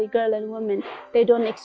terutama wanita dan wanita